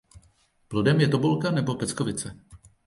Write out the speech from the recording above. Plodem je tobolka nebo peckovice.